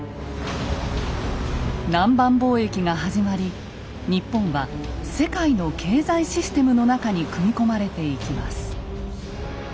南蛮貿易が始まり日本は世界の経済システムの中に組み込まれていきます。